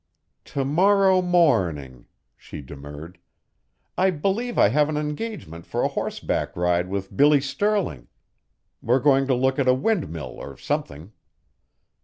"To morrow morning," she demurred. "I believe I have an engagement for a horseback ride with Billy Stirling. We're going to look at a wind mill or something."